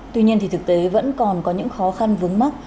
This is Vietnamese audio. tuy nhiên thì thực tế vẫn còn có những khó khăn vướng mắt